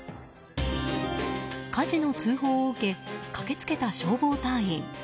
火事の通報を受け駆けつけた消防隊員。